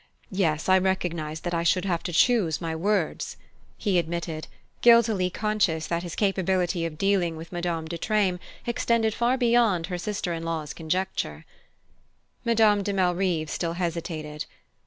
Yes, I recognize that I should have to choose my words," he admitted, guiltily conscious that his capability of dealing with Madame de Treymes extended far beyond her sister in law's conjecture. Madame de Malrive still hesitated.